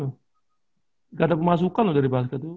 gak ada pemasukan loh dari basket tuh